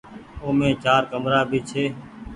اومي چآر ڪمرآ ڀي ڇي۔